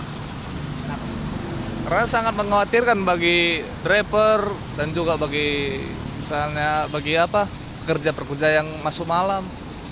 karena sangat mengkhawatirkan bagi driver dan juga bagi misalnya bagi apa pekerja pekerja yang masuk malam